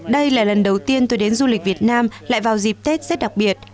đây là lần đầu tiên tôi đến du lịch việt nam lại vào dịp tết rất đặc biệt